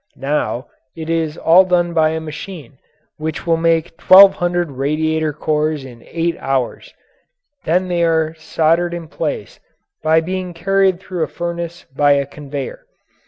Now it is all done by a machine which will make twelve hundred radiator cores in eight hours; then they are soldered in place by being carried through a furnace by a conveyor.